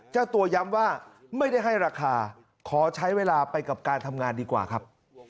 เจ้าตัวย้ำว่าไม่ได้ให้ราคาขอใช้เวลาไปกับการทำงานดีกว่าครับ